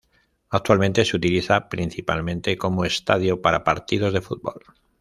Actualmente se utiliza principalmente como estadio para partidos de fútbol.